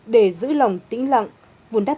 để giữ lòng tĩnh lặng vun đắt